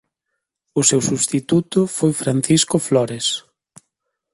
O seu substituto foi Francisco Flores.